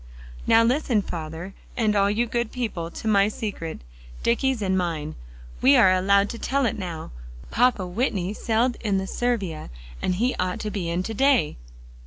"Now listen, father, and all you good people, to my secret Dicky's and mine; we are allowed to tell it now. Papa Whitney sailed in the Servia, and he ought to be in to day!"